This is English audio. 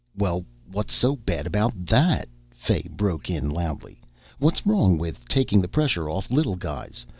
"Well, what's so bad about that?" Fay broke in loudly. "What's wrong with taking the pressure off little guys?